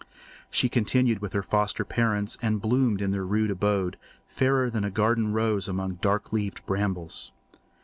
She continued with her foster parents and bloomed in their rude abode, fairer than a garden rose among dark leaved brambles.